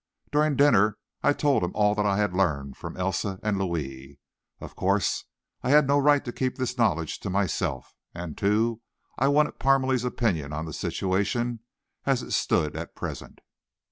During dinner I told him all that I had learned from Elsa and Louis. Of course I had no right to keep this knowledge to myself, and, too, I wanted Parmalee's opinion on the situation as it stood at present.